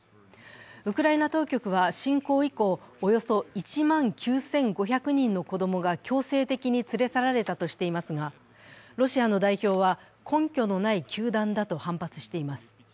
ウクライナ当局は侵攻以降およそ１万９５００人の子供が強制的に連れ去られたとしていますが、ロシアの代表は、根拠のない糾弾だと反発しています。